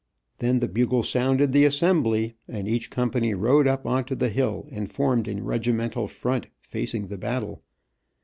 Then the bugle sounded the "Assembly," and each company rode up on to the hill and formed in regimental front facing the battle.